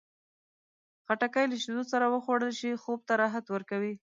خټکی له شیدو سره وخوړل شي، خوب ته راحت ورکوي.